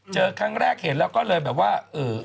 เจอครั้งแรกเห็นแล้วก็เลยแบบว่า